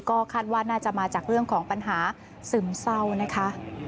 ก็คาดว่าน่าจะมาจากเรื่องของปัญหาซึมเศร้านะคะ